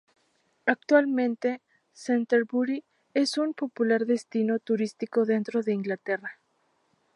Actualmente, Canterbury es un popular destino turístico dentro de Inglaterra.